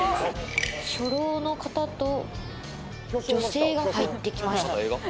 初老の方と女性が入ってきました。